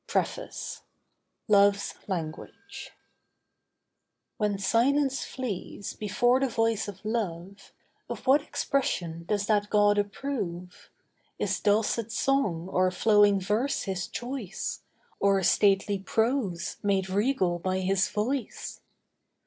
April 12, 1910. PREFACE LOVE'S LANGUAGE When silence flees before the voice of Love, Of what expression does that god approve? Is dulcet song or flowing verse his choice, Or stately prose, made regal by his voice?